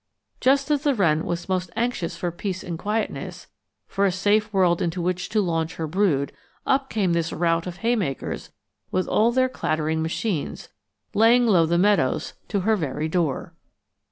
Just as the wren was most anxious for peace and quietness, for a safe world into which to launch her brood, up came this rout of haymakers with all their clattering machines, laying low the meadows to her very door.